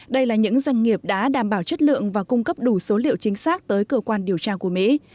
đây là những doanh nghiệp đã đảm bảo chất lượng và cung cấp đủ số liệu chính xác tới cơ quan điều tra của mỹ